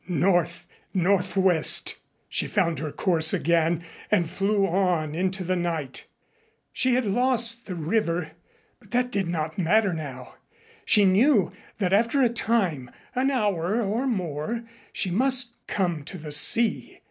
North northwest! She found her course again and flew on into the night. She had lost the river, but that did not matter now. She knew that after a time an hour or more she must come to the sea.